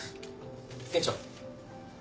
店長。